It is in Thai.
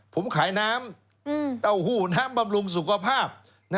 ผมขายน้ำเต้าหู้น้ำบำรุงสุขภาพ